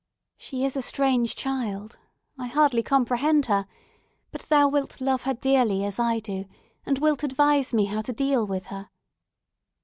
She is a strange child! I hardly comprehend her! But thou wilt love her dearly, as I do, and wilt advise me how to deal with her!"